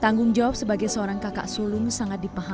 tanggung jawab sebagai seorang kakak sulung sangat diperlukan